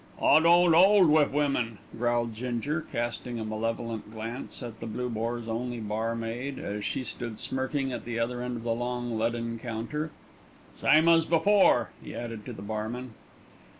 "I don't 'old wiv women," growled Ginger, casting a malevolent glance at the Blue Boar's only barmaid, as she stood smirking at the other end of the long leaden counter. "Same as before," he added to the barman.